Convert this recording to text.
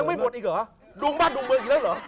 ไม่บวชอีกเหรอดวงบ้านดุงเมืองอีกแล้วเหรอ